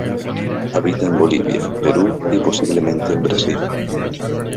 Habita en Bolivia, Perú y posiblemente en Brasil.